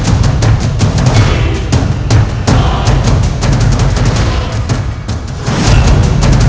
dia malah menjelaskan kita akan berjuang jauh jauh